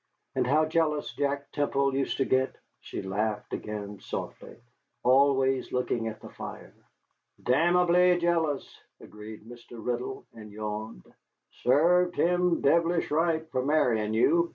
And how jealous Jack Temple used to get?" She laughed again, softly, always looking at the fire. "Damnably jealous!" agreed Mr. Riddle, and yawned. "Served him devilish right for marrying you.